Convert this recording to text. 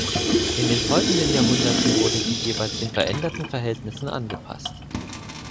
In den folgenden Jahrhunderten wurde sie jeweils den veränderten Verhältnissen angepasst.